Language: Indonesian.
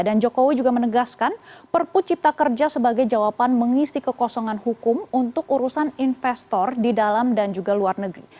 dan juga pak rauwi juga menegaskan perpu cipta kerja sebagai jawaban mengisi kekosongan hukum untuk urusan investor di dalam dan juga luar negeri